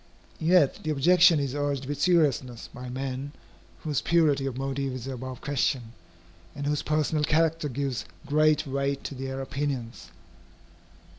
Yet the objection is urged with seriousness by men whose purity of motive is above question, and whose personal character gives great weight to their opinions.